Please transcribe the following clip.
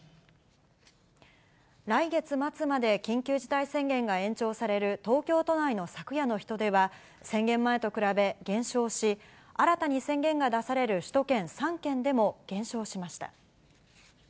来月末まで緊急事態宣言が延長される東京都内の昨夜の人出は、宣言前と比べ減少し、新たに宣言が出される首都圏３県でも減少しました。